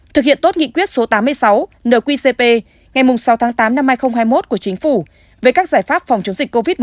thực hiện tốt nghị quyết số tám mươi sáu nqcp ngày sáu tháng tám năm hai nghìn hai mươi một của chính phủ về các giải pháp phòng chống dịch covid một mươi chín